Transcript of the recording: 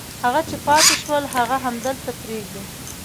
هغه چې پاتې شول هغه همدلته پرېږدي.